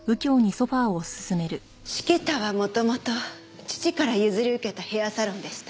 ｓｈｉｋｉｔａは元々父から譲り受けたヘアサロンでした。